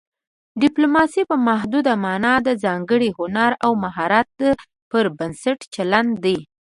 ډیپلوماسي په محدوده مانا د ځانګړي هنر او مهارت پر بنسټ چلند دی